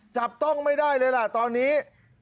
จับต้องไม่ได้เลยล่ะตอนนี้